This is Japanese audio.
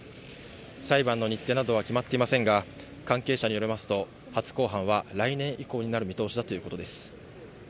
裁判の日程などは決まっていませんが、関係者によりますと、初公判は来年以降になる見通しだということです。